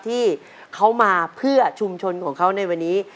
ที่เขามาเพื่อชุมชนของเขาในวันนี้